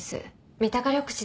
三鷹緑地で。